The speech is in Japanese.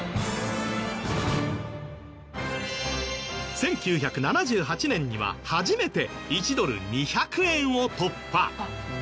１９７８年には初めて１ドル２００円を突破。